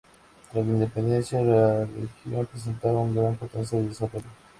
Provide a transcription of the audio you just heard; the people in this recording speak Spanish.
Tras la independencia, la región presentaba un gran potencial de desarrollo.